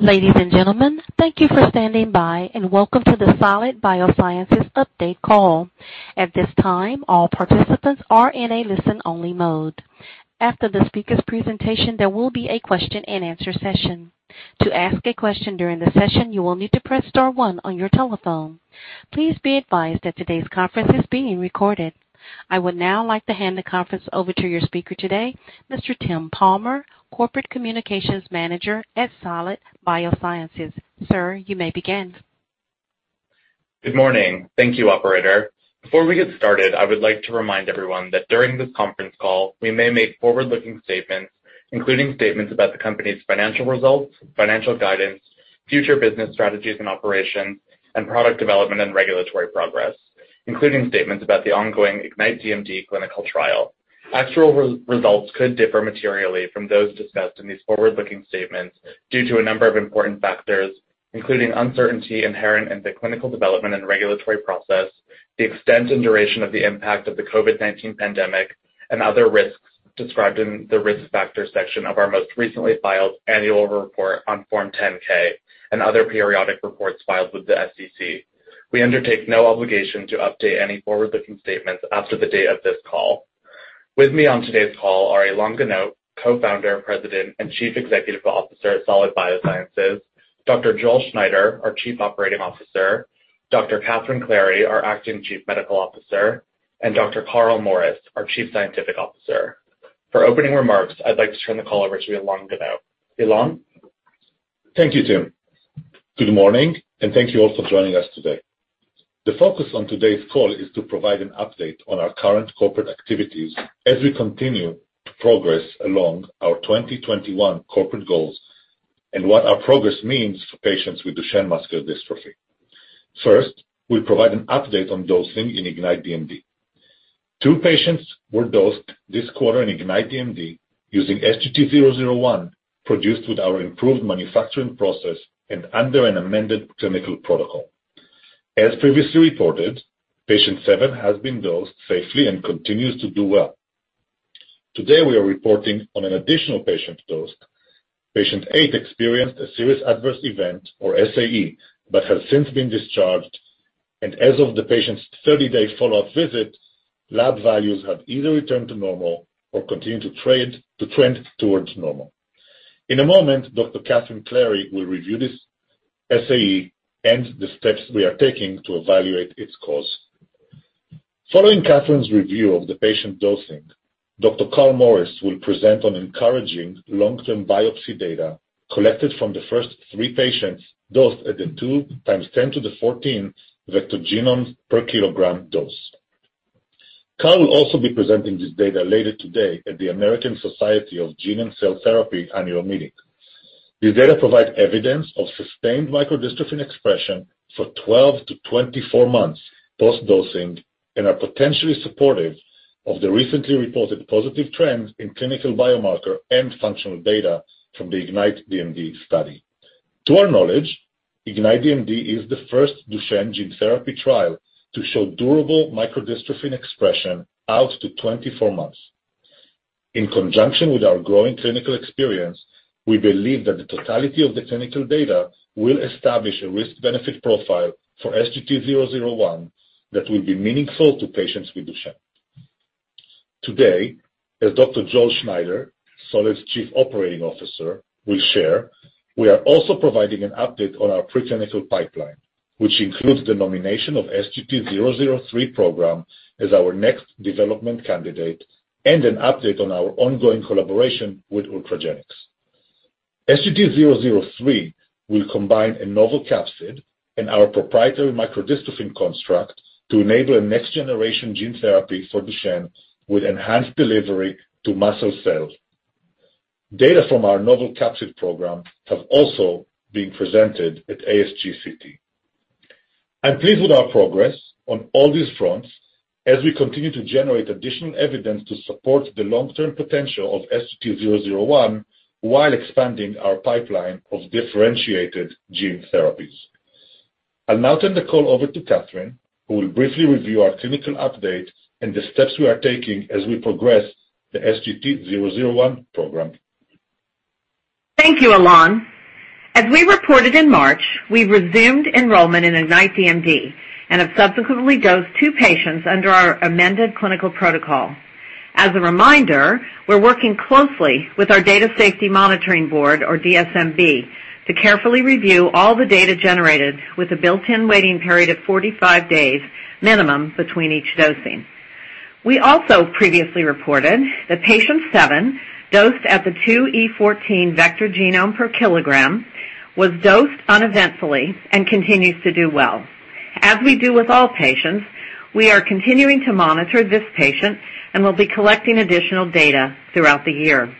Ladies and gentlemen, thank you for standing by. Welcome to the Solid Biosciences update call. At this time, all participants are in a listen-only mode. After the speaker's presentation, there will be a question and answer session. Please be advised that today's conference is being recorded. I would now like to hand the conference over to your speaker today, Mr. Tim Palmer, Corporate Communications Manager at Solid Biosciences. Sir, you may begin. Good morning. Thank you, operator. Before we get started, I would like to remind everyone that during this conference call, we may make forward-looking statements, including statements about the company's financial results, financial guidance, future business strategies and operations, and product development and regulatory progress, including statements about the ongoing IGNITE DMD clinical trial. Actual results could differ materially from those discussed in these forward-looking statements due to a number of important factors, including uncertainty inherent in the clinical development and regulatory process, the extent and duration of the impact of the COVID-19 pandemic, and other risks described in the Risk Factors section of our most recently filed annual report on Form 10-K and other periodic reports filed with the SEC. We undertake no obligation to update any forward-looking statements after the date of this call. With me on today's call are Ilan Ganot, Co-Founder, President, and Chief Executive Officer at Solid Biosciences, Dr. Joel Schneider, our Chief Operating Officer, Dr. Cathryn Clary, our Acting Chief Medical Officer, and Dr. Carl Morris, our Chief Scientific Officer. For opening remarks, I'd like to turn the call over to Ilan Ganot. Ilan? Thank you, Tim. Good morning, and thank you all for joining us today. The focus on today's call is to provide an update on our current corporate activities as we continue to progress along our 2021 corporate goals and what our progress means for patients with duchenne muscular dystrophy. First, we'll provide an update on dosing in IGNITE DMD. Two patients were dosed this quarter in IGNITE DMD using SGT-001, produced with our improved manufacturing process and under an amended clinical protocol. As previously reported, patient seven has been dosed safely and continues to do well. Today, we are reporting on an additional patient dosed. Patient eight experienced a serious adverse event, or SAE, but has since been discharged, and as of the patient's 30-day follow-up visit, lab values have either returned to normal or continue to trend towards normal. In a moment, Dr. Cathryn Clary will review this SAE and the steps we are taking to evaluate its cause. Following Cathryn's review of the patient dosing, Dr. Carl Morris will present on encouraging long-term biopsy data collected from the first three patients dosed at the 2x10^14 vector genomes per kg dose. Carl will also be presenting this data later today at the American Society of Gene & Cell Therapy annual meeting. These data provide evidence of sustained microdystrophin expression for 12-24 months post-dosing and are potentially supportive of the recently reported positive trends in clinical biomarker and functional data from the IGNITE DMD study. To our knowledge, IGNITE DMD is the first Duchenne gene therapy trial to show durable microdystrophin expression out to 24 months. In conjunction with our growing clinical experience, we believe that the totality of the clinical data will establish a risk-benefit profile for SGT-001 that will be meaningful to patients with Duchenne. Today, as Dr. Joel Schneider, Solid's Chief Operating Officer, will share, we are also providing an update on our preclinical pipeline, which includes the nomination of SGT-003 program as our next development candidate and an update on our ongoing collaboration with Ultragenyx. SGT-003 will combine a novel capsid and our proprietary microdystrophin construct to enable a next-generation gene therapy for Duchenne with enhanced delivery to muscle cells. Data from our novel capsid program have also been presented at ASGCT. I'm pleased with our progress on all these fronts as we continue to generate additional evidence to support the long-term potential of SGT-001 while expanding our pipeline of differentiated gene therapies. I'll now turn the call over to Cathryn, who will briefly review our clinical update and the steps we are taking as we progress the SGT-001 program. Thank you, Ilan Ganot. As we reported in March, we've resumed enrollment in IGNITE DMD and have subsequently dosed two patients under our amended clinical protocol. As a reminder, we're working closely with our Data Safety Monitoring Board, or DSMB, to carefully review all the data generated with a built-in waiting period of 45 days minimum between each dosing. We also previously reported that patient seven, dosed at the 2x10^14 vector genomes per kg, was dosed uneventfully and continues to do well. As we do with all patients, we are continuing to monitor this patient and will be collecting additional data throughout the year.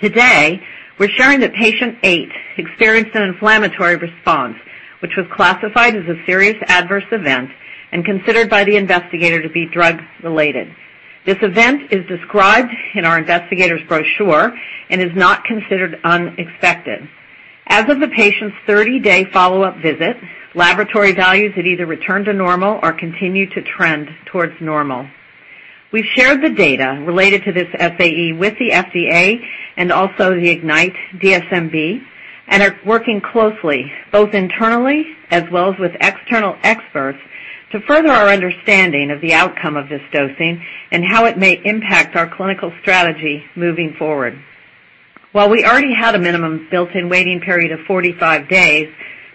Today, we're sharing that patient eight experienced an inflammatory response, which was classified as a serious adverse event and considered by the investigator to be drug-related. This event is described in our investigator's brochure and is not considered unexpected. As of the patient's 30-day follow-up visit, laboratory values had either returned to normal or continued to trend towards normal. We've shared the data related to this SAE with the FDA and also the IGNITE DSMB, and are working closely, both internally as well as with external experts, to further our understanding of the outcome of this dosing and how it may impact our clinical strategy moving forward. While we already had a minimum built-in waiting period of 45 days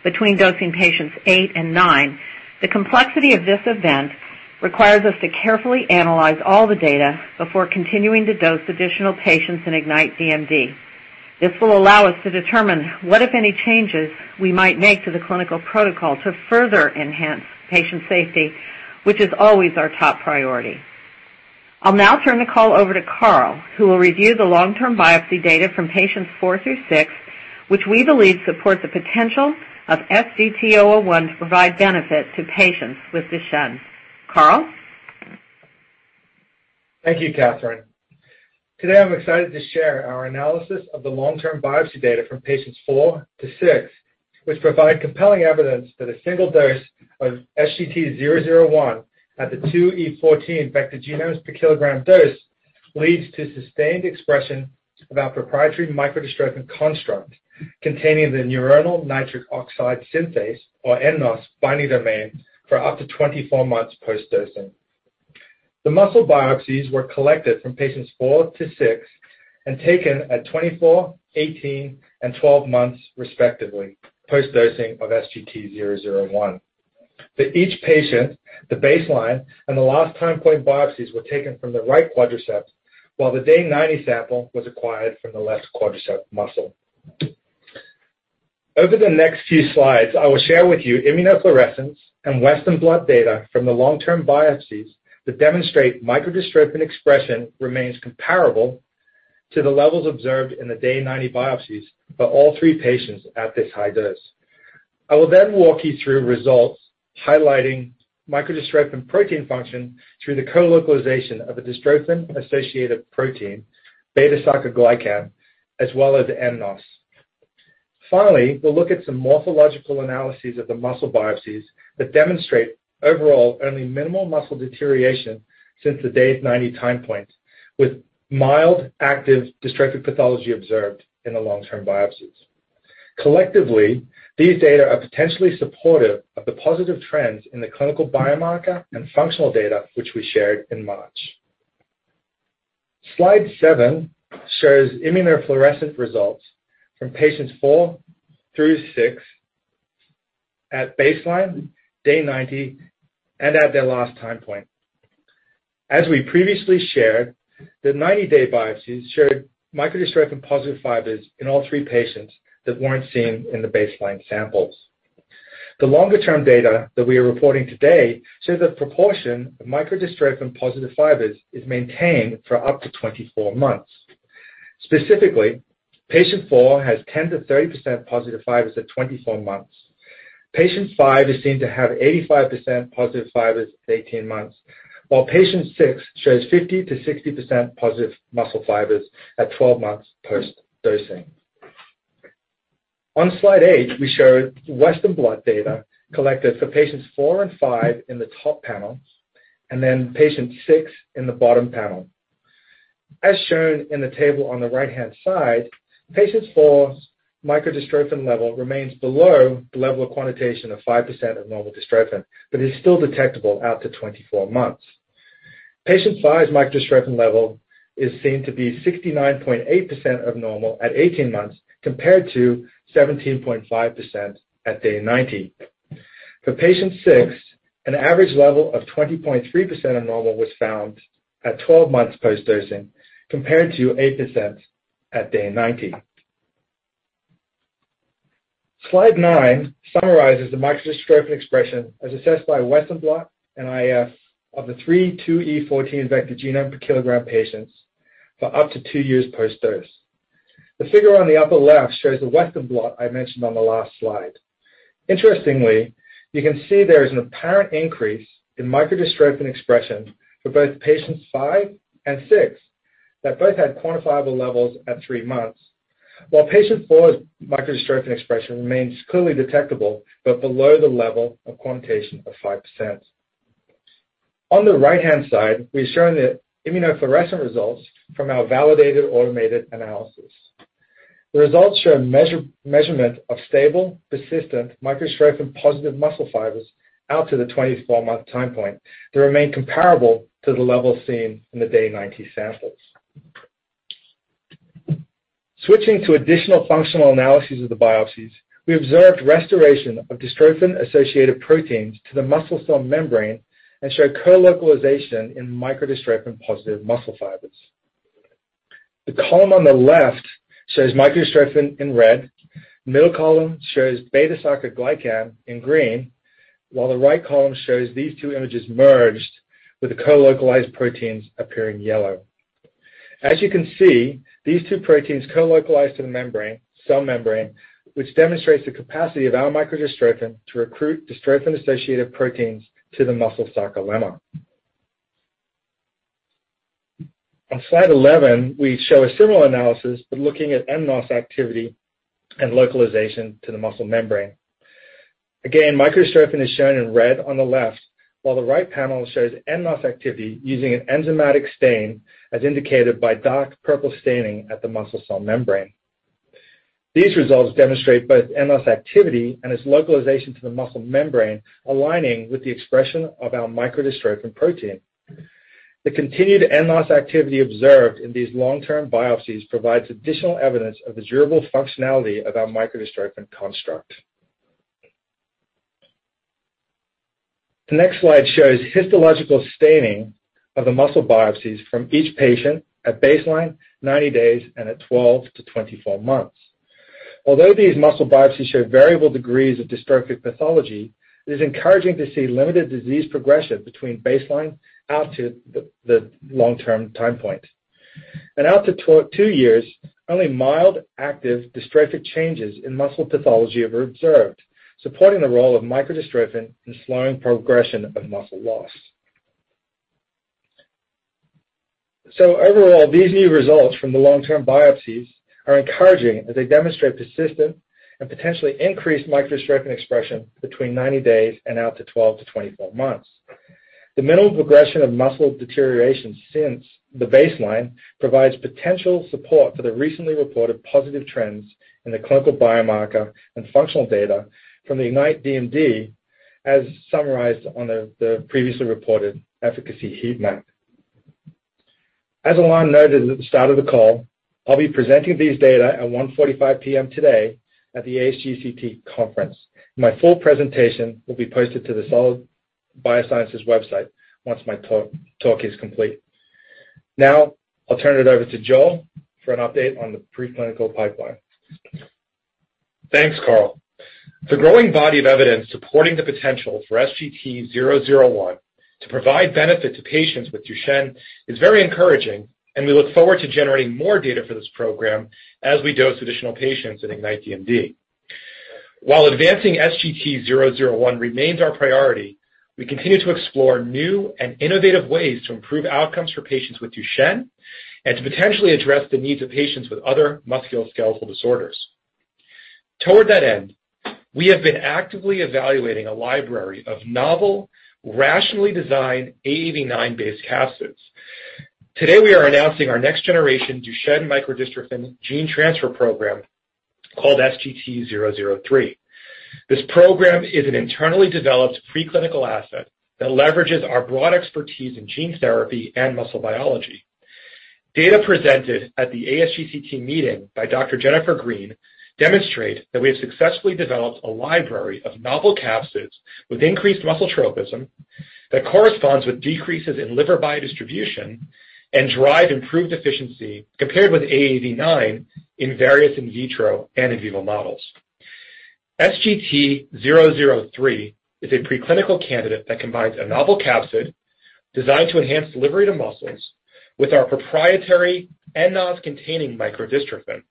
between dosing patients eight and nine, the complexity of this event requires us to carefully analyze all the data before continuing to dose additional patients in IGNITE DMD. This will allow us to determine what, if any, changes we might make to the clinical protocol to further enhance patient safety, which is always our top priority. I'll now turn the call over to Carl, who will review the long-term biopsy data from patients four through six, which we believe supports the potential of SGT-001 to provide benefit to patients with Duchenne. Carl? Thank you, Cathryn. Today, I'm excited to share our analysis of the long-term biopsy data from patients four to six, which provide compelling evidence that a single dose of SGT-001 at the 2x10^14 vector genomes per kg dose leads to sustained expression of our proprietary microdystrophin construct containing the neuronal nitric oxide synthase, or nNOS, binding domain for up to 24 months post-dosing. The muscle biopsies were collected from patients four to six and taken at 24, 18, and 12 months, respectively, post-dosing of SGT-001. For each patient, the baseline and the last time point biopsies were taken from the right quadriceps, while the day 90 sample was acquired from the left quadricep muscle. Over the next few slides, I will share with you immunofluorescence and western blot data from the long-term biopsies that demonstrate microdystrophin expression remains comparable to the levels observed in the day 90 biopsies for all three patients at this high dose. I will then walk you through results highlighting microdystrophin protein function through the colocalization of a dystrophin-associated protein, beta-sarcoglycan, as well as nNOS. Finally, we'll look at some morphological analyses of the muscle biopsies that demonstrate overall only minimal muscle deterioration since the day 90 time point, with mild active dystrophic pathology observed in the long-term biopsies. Collectively, these data are potentially supportive of the positive trends in the clinical biomarker and functional data, which we shared in March. Slide seven shows immunofluorescence results from patients four through six at baseline, day 90, and at their last time point. As we previously shared, the 90-day biopsies showed microdystrophin-positive fibers in all three patients that weren't seen in the baseline samples. The longer-term data that we are reporting today show the proportion of microdystrophin-positive fibers is maintained for up to 24 months. Specifically, patient four has 10%-30% positive fibers at 24 months. Patient five is seen to have 85% positive fibers at 18 months, while patient six shows 50%-60% positive muscle fibers at 12 months post-dosing. On slide eight, we show western blot data collected for patients four and five in the top panel, and then patient six in the bottom panel. As shown in the table on the right-hand side, patient four's microdystrophin level remains below the level of quantitation of 5% of normal dystrophin, but is still detectable out to 24 months. Patient five's microdystrophin level is seen to be 69.8% of normal at 18 months, compared to 17.5% at day 90. For patient six, an average level of 20.3% of normal was found at 12 months post-dosing, compared to 8% at day 90. Slide nine summarizes the microdystrophin expression as assessed by western blot and IF of the three 2x10^14 vector genome per kg patients for up to two years post-dose. The figure on the upper left shows the western blot I mentioned on the last slide. Interestingly, you can see there is an apparent increase in microdystrophin expression for both patients five and six, that both had quantifiable levels at three months, while patient four's microdystrophin expression remains clearly detectable but below the level of quantitation of 5%. On the right-hand side, we've shown the immunofluorescence results from our validated automated analysis. The results show measurement of stable, persistent microdystrophin-positive muscle fibers out to the 24-month time point that remain comparable to the levels seen in the day 90 samples. Switching to additional functional analyses of the biopsies, we observed restoration of dystrophin-associated proteins to the muscle cell membrane and show colocalization in microdystrophin-positive muscle fibers. The column on the left shows microdystrophin in red, middle column shows beta-sarcoglycan in green, while the right column shows these two images merged with the colocalized proteins appearing yellow. As you can see, these two proteins colocalize to the cell membrane, which demonstrates the capacity of our microdystrophin to recruit dystrophin-associated proteins to the muscle sarcolemma. On slide 11, we show a similar analysis but looking at nNOS activity and localization to the muscle membrane. Again, microdystrophin is shown in red on the left, while the right panel shows nNOS activity using an enzymatic stain, as indicated by dark purple staining at the muscle cell membrane. These results demonstrate both nNOS activity and its localization to the muscle membrane, aligning with the expression of our microdystrophin protein. The continued nNOS activity observed in these long-term biopsies provides additional evidence of the durable functionality of our microdystrophin construct. The next slide shows histological staining of the muscle biopsies from each patient at baseline, 90 days, and at 12-24 months. Although these muscle biopsies show variable degrees of dystrophic pathology, it is encouraging to see limited disease progression between baseline out to the long-term time point. Out to two years, only mild active dystrophic changes in muscle pathology were observed, supporting the role of microdystrophin in slowing progression of muscle loss. Overall, these new results from the long-term biopsies are encouraging as they demonstrate persistent and potentially increased microdystrophin expression between 90 days and out to 12-24 months. The minimal progression of muscle deterioration since the baseline provides potential support for the recently reported positive trends in the clinical biomarker and functional data from the IGNITE DMD, as summarized on the previously reported efficacy heat map. As Ilan noted at the start of the call, I'll be presenting these data at 1:45 P.M. today at the ASGCT conference. My full presentation will be posted to the Solid Biosciences website once my talk is complete. I'll turn it over to Joel for an update on the preclinical pipeline. Thanks, Carl. The growing body of evidence supporting the potential for SGT-001 to provide benefit to patients with Duchenne is very encouraging, and we look forward to generating more data for this program as we dose additional patients in IGNITE DMD. While advancing SGT-001 remains our priority, we continue to explore new and innovative ways to improve outcomes for patients with Duchenne and to potentially address the needs of patients with other musculoskeletal disorders. Toward that end, we have been actively evaluating a library of novel, rationally designed AAV9-based capsids. Today, we are announcing our next generation Duchenne microdystrophin gene transfer program called SGT-003. This program is an internally developed preclinical asset that leverages our broad expertise in gene therapy and muscle biology. Data presented at the ASGCT meeting by Dr. Jennifer Green demonstrate that we have successfully developed a library of novel capsids with increased muscle tropism that corresponds with decreases in liver biodistribution and drive improved efficiency compared with AAV9 in various in vitro and in vivo models. SGT-003 is a preclinical candidate that combines a novel capsid designed to enhance delivery to muscles with our proprietary nNOS-containing microdystrophin.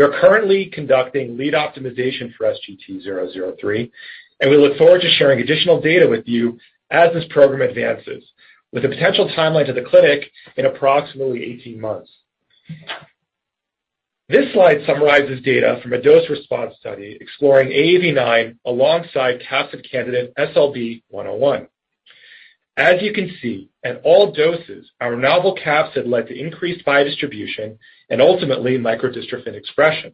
We are currently conducting lead optimization for SGT-003, and we look forward to sharing additional data with you as this program advances, with a potential timeline to the clinic in approximately 18 months. This slide summarizes data from a dose-response study exploring AAV9 alongside capsid candidate AAV-SLB101. As you can see, at all doses, our novel capsid led to increased biodistribution and ultimately microdystrophin expression.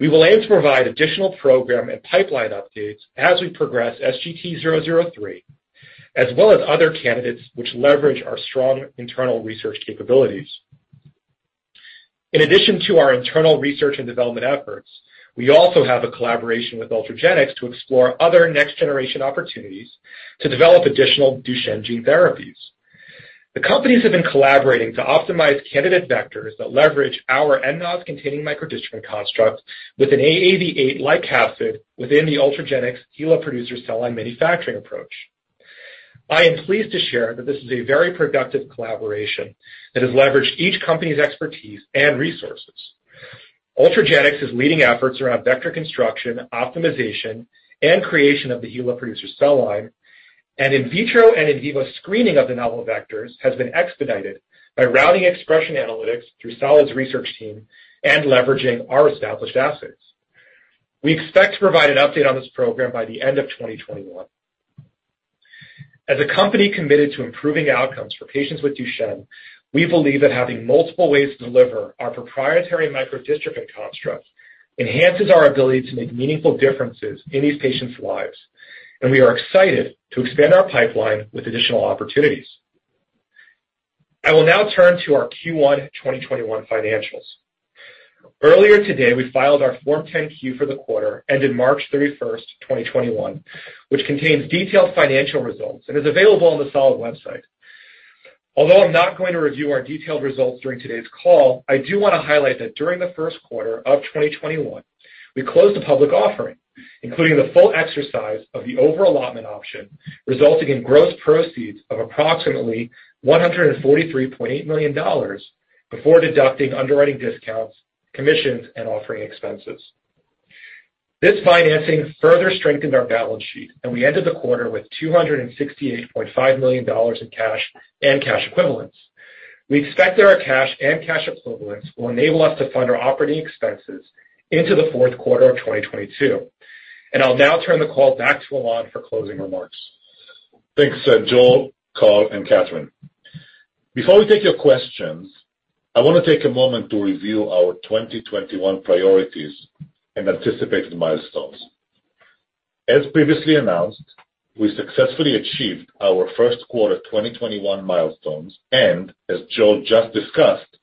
We will aim to provide additional program and pipeline updates as we progress SGT-003, as well as other candidates which leverage our strong internal research capabilities. In addition to our internal research and development efforts, we also have a collaboration with Ultragenyx to explore other next-generation opportunities to develop additional Duchenne gene therapies. The companies have been collaborating to optimize candidate vectors that leverage our nNOS-containing microdystrophin construct with an AAV8-like capsid within the Ultragenyx HeLa producer cell line manufacturing approach. I am pleased to share that this is a very productive collaboration that has leveraged each company's expertise and resources. Ultragenyx is leading efforts around vector construction, optimization, and creation of the HeLa producer cell line, and in vitro and in vivo screening of the novel vectors has been expedited by routing expression analytics through Solid's research team and leveraging our established assets. We expect to provide an update on this program by the end of 2021. As a company committed to improving outcomes for patients with Duchenne, we believe that having multiple ways to deliver our proprietary microdystrophin construct enhances our ability to make meaningful differences in these patients' lives. We are excited to expand our pipeline with additional opportunities. I will now turn to our Q1 2021 financials. Earlier today, we filed our Form 10-Q for the quarter ended March 31, 2021, which contains detailed financial results and is available on the Solid website. Although I'm not going to review our detailed results during today's call, I do want to highlight that during the first quarter of 2021, we closed a public offering, including the full exercise of the over-allotment option, resulting in gross proceeds of approximately $143.8 million before deducting underwriting discounts, commissions, and offering expenses. This financing further strengthened our balance sheet, and we ended the quarter with $268.5 million in cash and cash equivalents. We expect that our cash and cash equivalents will enable us to fund our operating expenses into the fourth quarter of 2022. I'll now turn the call back to Ilan for closing remarks. Thanks, Joel, Carl, and Cathryn. Before we take your questions, I want to take a moment to review our 2021 priorities and anticipated milestones. As previously announced, we successfully achieved our first quarter 2021 milestones. As Joel just discussed,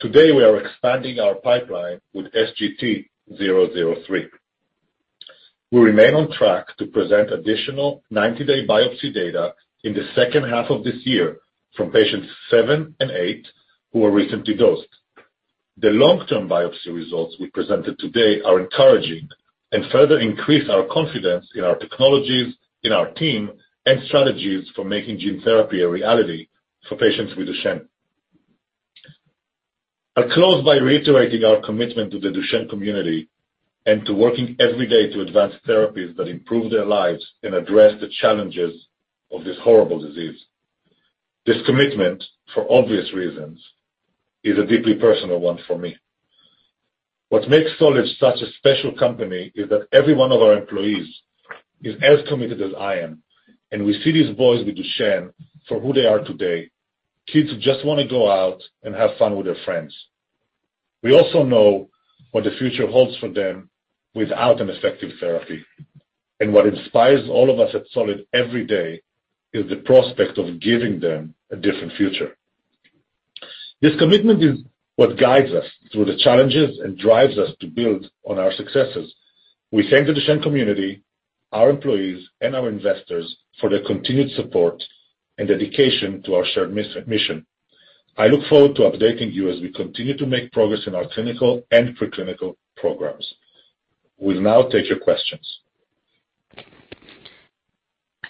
today we are expanding our pipeline with SGT-003. We remain on track to present additional 90-day biopsy data in the second half of this year from patients seven and eight who were recently dosed. The long-term biopsy results we presented today are encouraging and further increase our confidence in our technologies, in our team, and strategies for making gene therapy a reality for patients with Duchenne. I'll close by reiterating our commitment to the Duchenne community and to working every day to advance therapies that improve their lives and address the challenges of this horrible disease. This commitment, for obvious reasons, is a deeply personal one for me. What makes Solid such a special company is that every one of our employees is as committed as I am, and we see these boys with Duchenne for who they are today, kids who just want to go out and have fun with their friends. We also know what the future holds for them without an effective therapy. What inspires all of us at Solid every day is the prospect of giving them a different future. This commitment is what guides us through the challenges and drives us to build on our successes. We thank the Duchenne community, our employees, and our investors for their continued support and dedication to our shared mission. I look forward to updating you as we continue to make progress in our clinical and pre-clinical programs. We'll now take your questions.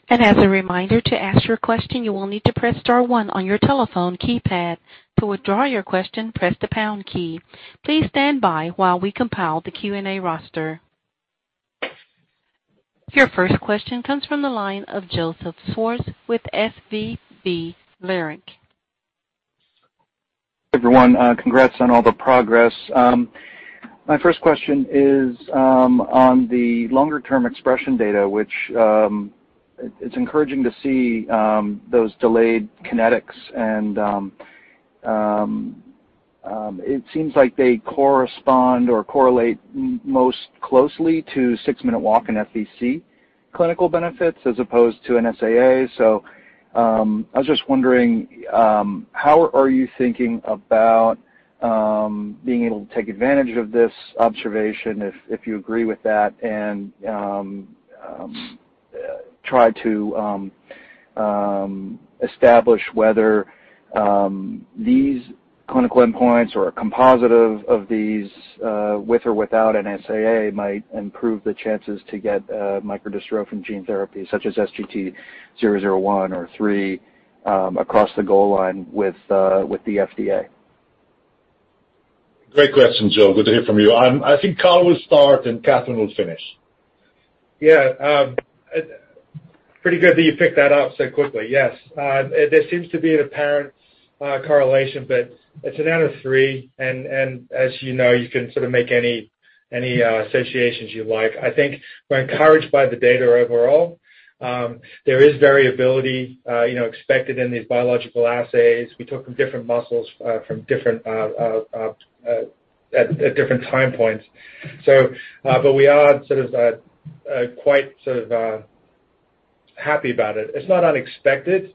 As a reminder, to ask your question, you will need to press star one on your telephone keypad. To withdraw your question, press the pound key. Please stand by while we compile the Q&A roster. Your first question comes from the line of Joseph Schwartz with SVB Leerink. Everyone, congrats on all the progress. My first question is on the longer-term expression data, which it's encouraging to see those delayed kinetics, and it seems like they correspond or correlate most closely to six-minute walk and FVC clinical benefits as opposed to an NSAA. I was just wondering, how are you thinking about being able to take advantage of this observation, if you agree with that, and try to establish whether these clinical endpoints or a composite of these, with or without an NSAA, might improve the chances to get microdystrophin gene therapy such as SGT-001 or three across the goal line with the FDA? Great question, Joe. Good to hear from you. I think Carl will start and Cathryn will finish. Yeah. Pretty good that you picked that up so quickly. Yes. There seems to be an apparent correlation, but it's an N of three. As you know, you can sort of make any associations you like. I think we're encouraged by the data overall. There is variability expected in these biological assays. We took them different muscles at different time points. We are sort of quite happy about it. It's not unexpected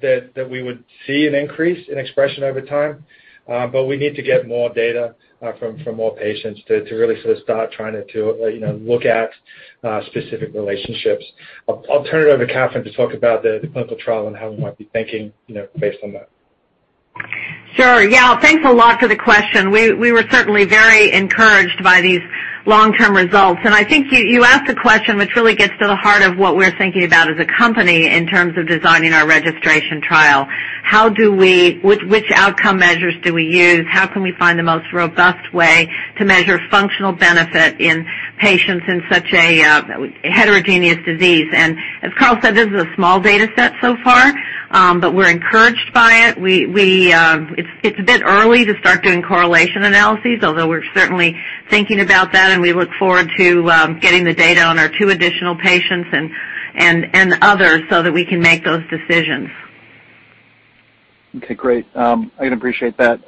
that we would see an increase in expression over time. We need to get more data from more patients to really sort of start trying to look at specific relationships. I'll turn it over to Cathryn to talk about the clinical trial and how we might be thinking based on that. Sure. Yeah. Thanks a lot for the question. We were certainly very encouraged by these long-term results. I think you asked a question which really gets to the heart of what we're thinking about as a company in terms of designing our registration trial. Which outcome measures do we use? How can we find the most robust way to measure functional benefit in patients in such a heterogeneous disease? As Carl said, this is a small data set so far, we're encouraged by it. It's a bit early to start doing correlation analyses, although we're certainly thinking about that. We look forward to getting the data on our two additional patients and others so that we can make those decisions. Okay, great. I appreciate that.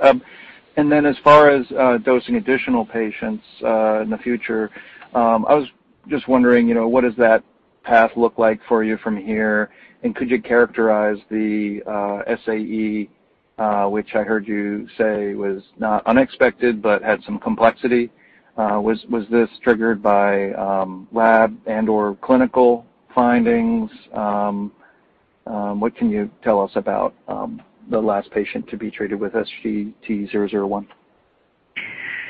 As far as dosing additional patients in the future, I was just wondering, what does that path look like for you from here? Could you characterize the SAE, which I heard you say was not unexpected but had some complexity? Was this triggered by lab and/or clinical findings? What can you tell us about the last patient to be treated with SGT-001?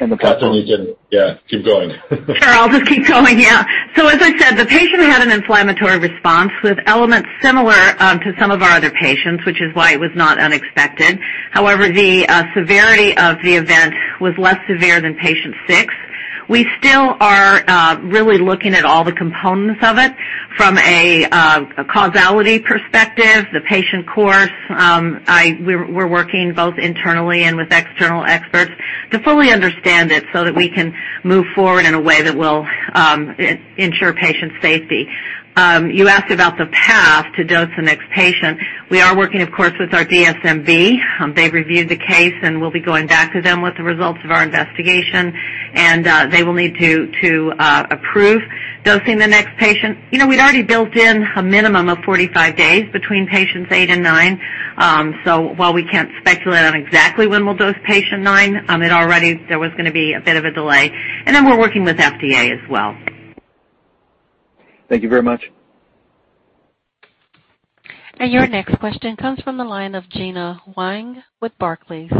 Cathryn, Yeah, keep going. Sure, I'll just keep going. As I said, the patient had an inflammatory response with elements similar to some of our other patients, which is why it was not unexpected. However, the severity of the event was less severe than patient six. We still are really looking at all the components of it from a causality perspective, the patient course. We're working both internally and with external experts to fully understand it so that we can move forward in a way that will ensure patient safety. You asked about the path to dose the next patient. We are working, of course, with our DSMB. They've reviewed the case, and we'll be going back to them with the results of our investigation. They will need to approve dosing the next patient. We'd already built in a minimum of 45 days between patients eight and nine. While we can't speculate on exactly when we'll dose patient nine, there was going to be a bit of a delay. Then we're working with FDA as well. Thank you very much. Your next question comes from the line of Gena Wang with Barclays.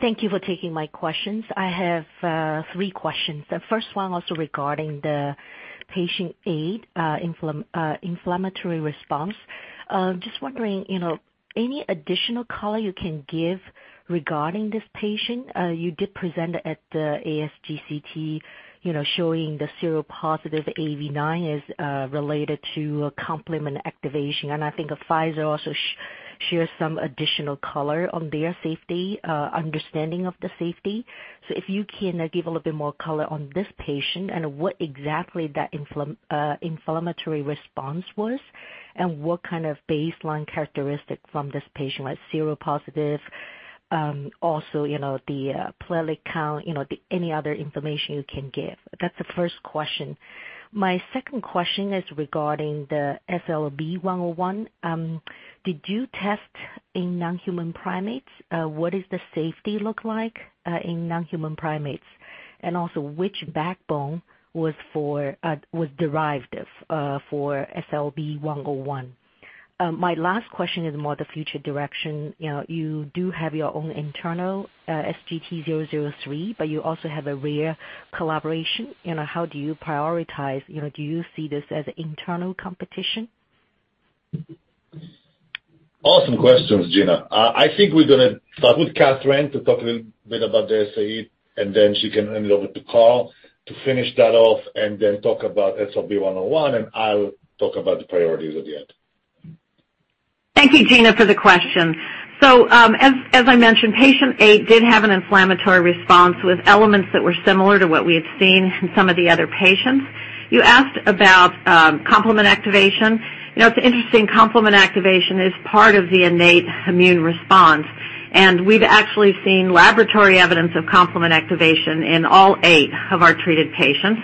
Thank you for taking my questions. I have three questions. The first one also regarding the patient eight inflammatory response. Wondering, any additional color you can give regarding this patient? You did present at the ASGCT, showing the seropositive AAV9 is related to complement activation. I think Pfizer also shares some additional color on their understanding of the safety. If you can give a little bit more color on this patient and what exactly that inflammatory response was, and what kind of baseline characteristic from this patient, like seropositive, also the platelet count, any other information you can give. That's the first question. My second question is regarding the SLB 101. Did you test in non-human primates? What does the safety look like in non-human primates? Also, which backbone was derived for SLB 101? My last question is more the future direction. You do have your own internal SGT-003, but you also have a rare collaboration. How do you prioritize? Do you see this as internal competition? Awesome questions, Gena. I think we're going to start with Cathryn to talk a little bit about the SAE, and then she can hand it over to Carl to finish that off, and then talk about SLB 101, and I'll talk about the priorities at the end. Thank you, Gena, for the question. As I mentioned, patient eight eight did have an inflammatory response with elements that were similar to what we had seen in some of the other patients. You asked about complement activation. It's interesting, complement activation is part of the innate immune response, we've actually seen laboratory evidence of complement activation in all eight of our treated patients.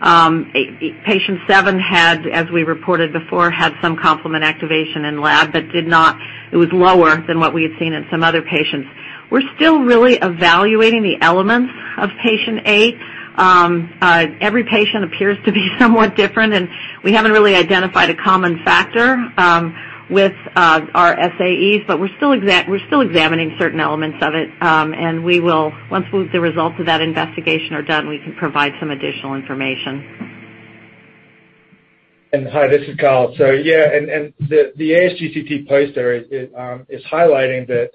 Patient seven, as we reported before, had some complement activation in lab, it was lower than what we had seen in some other patients. We're still really evaluating the elements of patient eight. Every patient appears to be somewhat different, we haven't really identified a common factor with our SAEs, we're still examining certain elements of it. Once the results of that investigation are done, we can provide some additional information. Hi, this is Carl. The ASGCT poster is highlighting that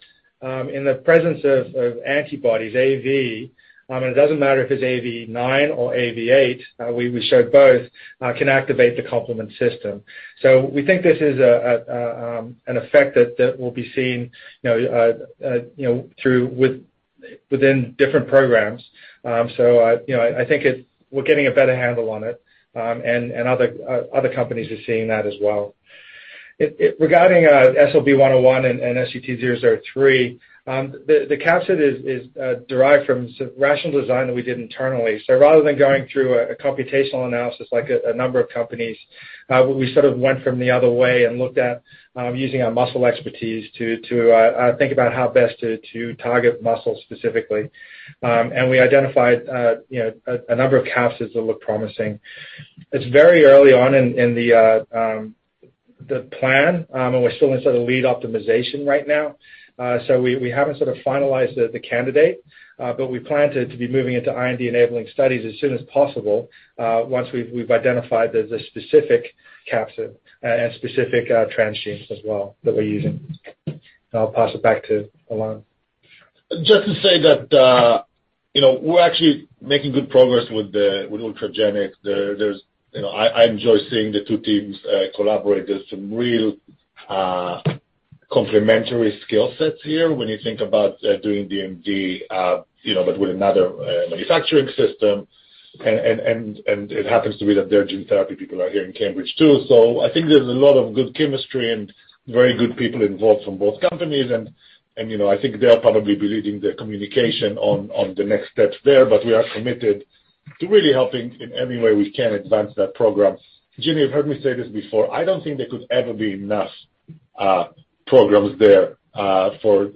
in the presence of antibodies, AAV, and it doesn't matter if it's AAV9 or AAV8, we showed both can activate the complement system. We think this is an effect that will be seen within different programs. I think we're getting a better handle on it. Other companies are seeing that as well. Regarding SLB 101 and SGT-003, the capsid is derived from some rational design that we did internally. Rather than going through a computational analysis like a number of companies, we sort of went from the other way and looked at using our muscle expertise to think about how best to target muscle specifically. We identified a number of capsids that look promising. It's very early on in the plan, and we're still in sort of lead optimization right now. We haven't sort of finalized the candidate, but we plan to be moving into IND-enabling studies as soon as possible once we've identified the specific capsid and specific transgenes as well that we're using. I'll pass it back to Ilan. Just to say that we're actually making good progress with Ultragenyx. I enjoy seeing the two teams collaborate. There's some real complementary skill sets here when you think about doing DMD, with another manufacturing system. It happens to be that their gene therapy people are here in Cambridge, too. I think there's a lot of good chemistry and very good people involved from both companies. I think they'll probably be leading the communication on the next steps there. We are committed to really helping in any way we can advance that program. Gena, you've heard me say this before. I don't think there could ever be enough programs there for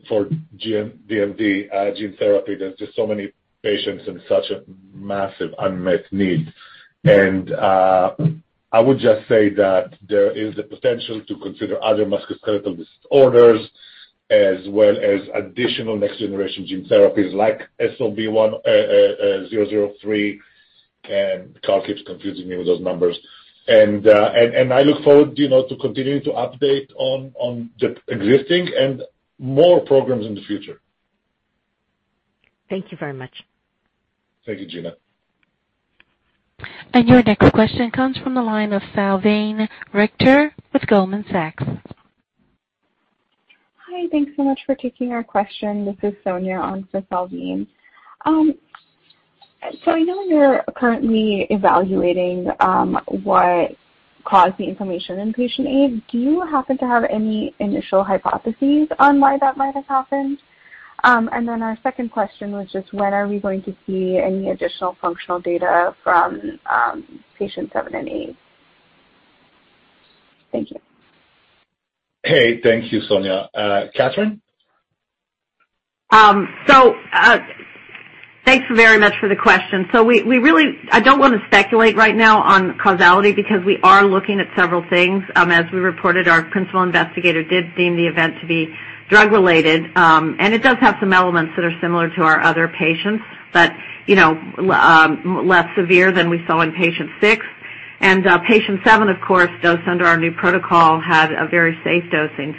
DMD gene therapy. There's just so many patients and such a massive unmet need. I would just say that there is the potential to consider other musculoskeletal disorders as well as additional next-generation gene therapies like SGT-003. Carl keeps confusing me with those numbers. I look forward to continuing to update on the existing and more programs in the future. Thank you very much. Thank you, Gena. Your next question comes from the line of Salveen Richter with Goldman Sachs. Hi. Thanks so much for taking our question. This is Sonia on for Salveen. I know you're currently evaluating what caused the inflammation in patient eight. Do you happen to have any initial hypotheses on why that might have happened? Our second question was just when are we going to see any additional functional data from patients seven and eight? Thank you. Hey, thank you, Sonia. Cathryn? Thanks very much for the question. I don't want to speculate right now on causality because we are looking at several things. As we reported, our principal investigator did deem the event to be drug-related, and it does have some elements that are similar to our other patients, but less severe than we saw in patient six. patient seven, of course, dosed under our new protocol, had a very safe dosing.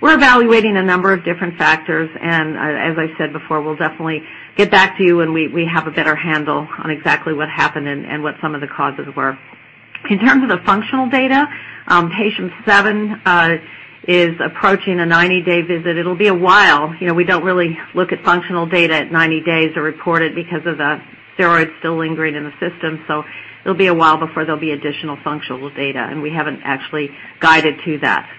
We're evaluating a number of different factors. As I said before, we'll definitely get back to you when we have a better handle on exactly what happened and what some of the causes were. In terms of the functional data, patient seven is approaching a 90-day visit. It'll be a while. We don't really look at functional data at 90 days or report it because of the steroids still lingering in the system. It'll be a while before there'll be additional functional data, and we haven't actually guided to that.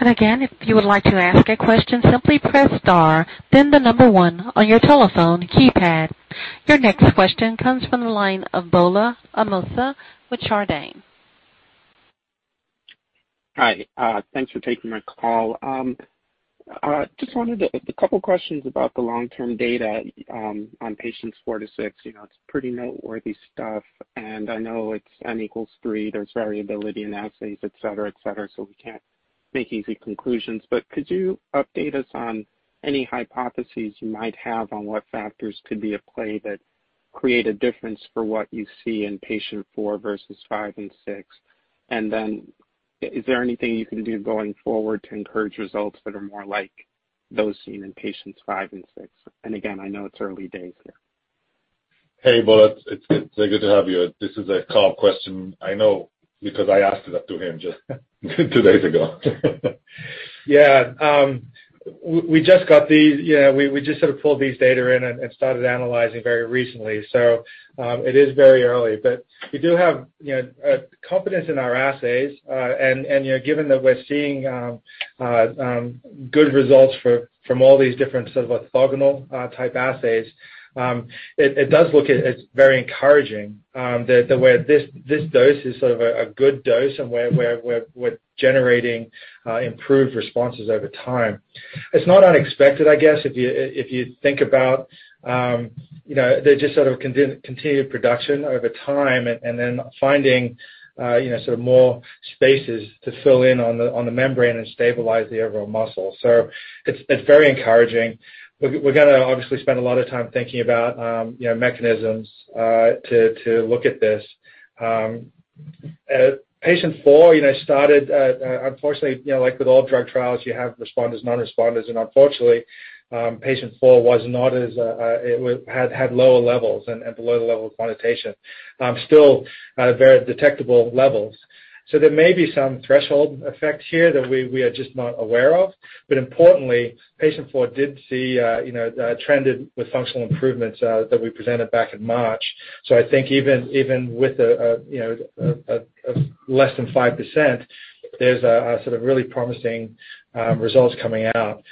Again, if you would like to ask a question, simply press star, then the number one on your telephone keypad. Your next question comes from the line of Gbola Amusa with Chardan. Hi, thanks for taking my call. Just wanted a couple questions about the long-term data on patients four to six. It's pretty noteworthy stuff, and I know it's N equals three. There's variability in assays, et cetera. We can't make easy conclusions, but could you update us on any hypotheses you might have on what factors could be at play that create a difference for what you see in patient four versus five and six? Is there anything you can do going forward to encourage results that are more like those seen in patients five and six? Again, I know it's early days here. Hey, Gbola. It's good to have you. This is a Carl question. I know because I asked it to him just two days ago. Yeah. We just sort of pulled these data in and started analyzing very recently. It is very early, but we do have confidence in our assays. Given that we're seeing good results from all these different sort of orthogonal type assays, it does look as very encouraging, the way this dose is sort of a good dose, and we're generating improved responses over time. It's not unexpected, I guess, if you think about the just sort of continued production over time and then finding sort of more spaces to fill in on the membrane and stabilize the overall muscle. It's very encouraging. We're going to obviously spend a lot of time thinking about mechanisms to look at this. Patient four started, unfortunately, like with all drug trials, you have responders, non-responders, and unfortunately, patient four had lower levels and below the level of quantitation, still very detectable levels. There may be some threshold effect here that we are just not aware of. Importantly, patient four did see a trend with functional improvements that we presented back in March. I think even with less than 5%, there's sort of really promising results coming out.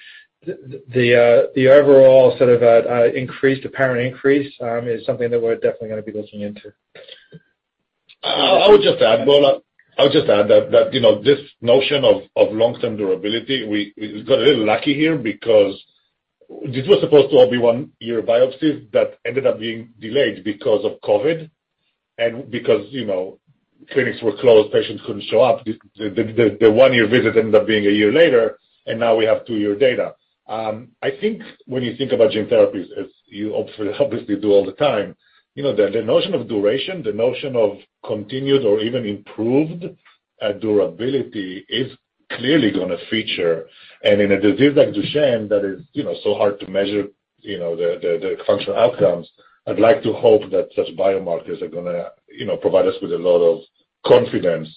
The overall sort of apparent increase is something that we're definitely going to be looking into. I would just add, Gbola, that this notion of long-term durability, we got a little lucky here because this was supposed to all be one year of biopsies that ended up being delayed because of COVID and because clinics were closed, patients couldn't show up. The one-year visit ended up being a year later. Now we have two-year data. I think when you think about gene therapies, as you obviously do all the time, the notion of duration, the notion of continued or even improved durability is clearly going to feature. In a disease like Duchenne, that is so hard to measure the functional outcomes, I'd like to hope that such biomarkers are going to provide us with a lot of confidence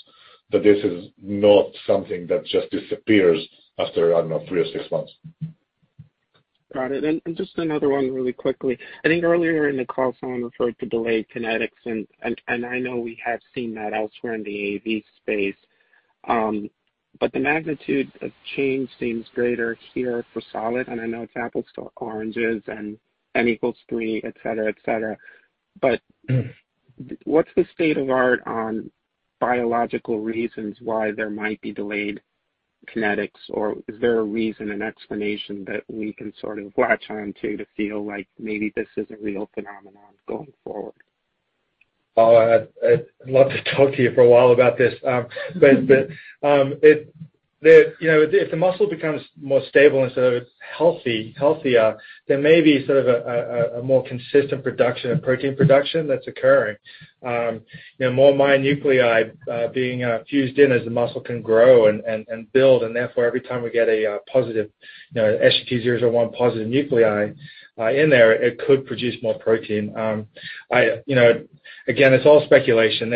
that this is not something that just disappears after, I don't know, three or six months. Got it. Just another one really quickly. I think earlier in the call, someone referred to delayed kinetics, and I know we have seen that elsewhere in the AAV space. The magnitude of change seems greater here for Solid, and I know it's apples to oranges and N equals three, et cetera. What's the state of art on biological reasons why there might be delayed kinetics, or is there a reason, an explanation that we can sort of latch onto to feel like maybe this is a real phenomenon going forward? I'd love to talk to you for a while about this. If the muscle becomes more stable and sort of healthier, there may be sort of a more consistent production of protein production that's occurring. More myonuclei being fused in as the muscle can grow and build, and therefore, every time we get a positive SGT-001 positive nuclei in there, it could produce more protein. Again, it's all speculation.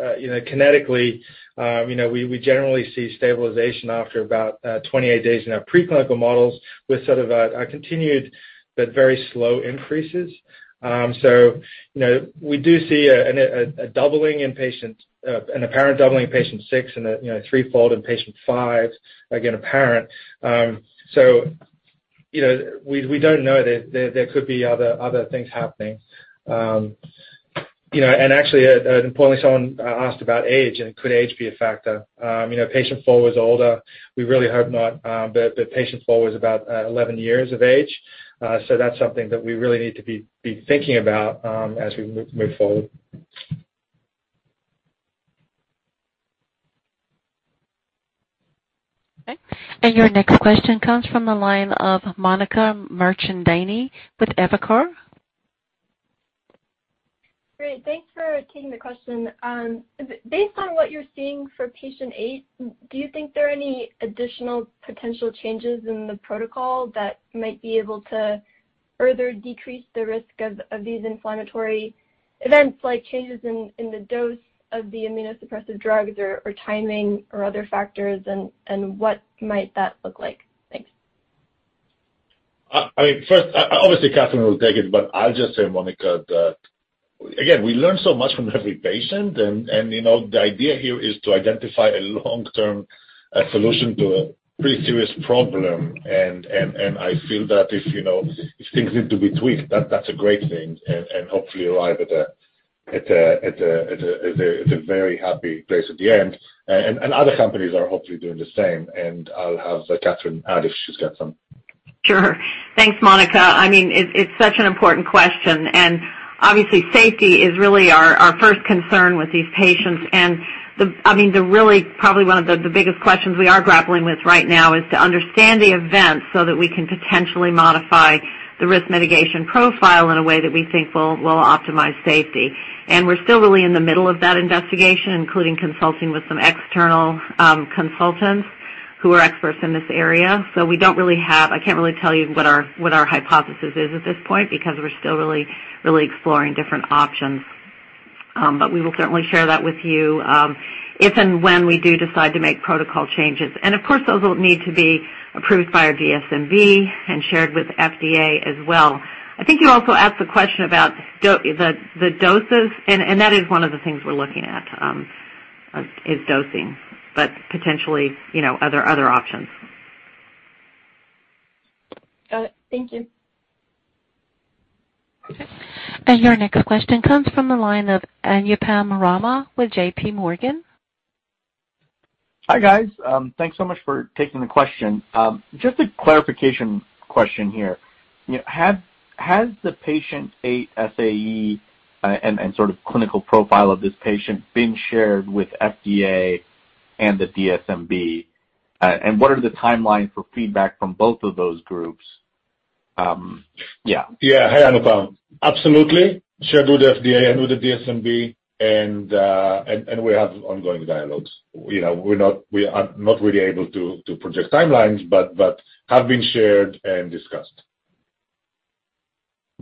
Kinetically, we generally see stabilization after about 28 days in our preclinical models with sort of a continued, but very slow increases. We do see an apparent doubling in patient six and a threefold in patient five, again, apparent. We don't know. There could be other things happening. Actually, importantly, someone asked about age, and could age be a factor? patient four was older. We really hope not, but patient four was about 11 years of age. That's something that we really need to be thinking about as we move forward. Okay. Your next question comes from the line of Maneka Mirchandaney with Evercore. Great. Thanks for taking the question. Based on what you're seeing for patient eight, do you think there are any additional potential changes in the protocol that might be able to further decrease the risk of these inflammatory events, like changes in the dose of the immunosuppressive drugs or timing or other factors, and what might that look like? Thanks. First, obviously Cathryn will take it, but I'll just say, Maneka, that again, we learn so much from every patient, and the idea here is to identify a long-term solution to a pretty serious problem. I feel that if things need to be tweaked, that's a great thing, and hopefully arrive at a very happy place at the end. Other companies are hopefully doing the same, and I'll have Cathryn add if she's got some. Sure. Thanks, Maneka. It's such an important question. Obviously safety is really our first concern with these patients. Probably one of the biggest questions we are grappling with right now is to understand the event so that we can potentially modify the risk mitigation profile in a way that we think will optimize safety. We're still really in the middle of that investigation, including consulting with some external consultants who are experts in this area. I can't really tell you what our hypothesis is at this point because we're still really exploring different options. We will certainly share that with you if and when we do decide to make protocol changes. Of course, those will need to be approved by our DSMB and shared with FDA as well. I think you also asked the question about the doses. That is one of the things we're looking at, is dosing, but potentially other options. Got it. Thank you. Okay. Your next question comes from the line of Anupam Rama with JPMorgan. Hi, guys. Thanks so much for taking the question. Just a clarification question here. Has the patient eight SAE and sort of clinical profile of this patient been shared with FDA and the DSMB? What are the timelines for feedback from both of those groups? Yeah. Yeah. Hi, Anupam. Absolutely. Shared with FDA and with the DSMB. We have ongoing dialogues. We are not really able to project timelines. Have been shared and discussed.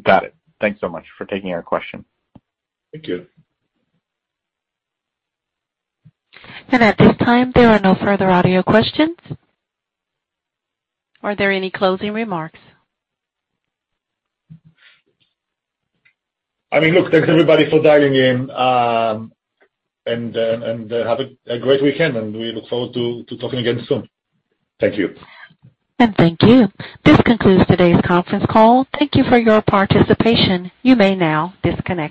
Got it. Thanks so much for taking our question. Thank you. At this time, there are no further audio questions. Are there any closing remarks? Look, thanks everybody for dialing in. Have a great weekend, and we look forward to talking again soon. Thank you. Thank you. This concludes today's conference call. Thank you for your participation. You may now disconnect.